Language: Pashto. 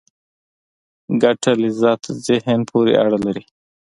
ګټه لذت ذهن پورې اړه لري.